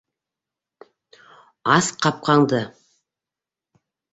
Ас ҡапҡаңды!